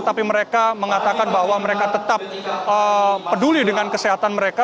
tapi mereka mengatakan bahwa mereka tetap peduli dengan kesehatan mereka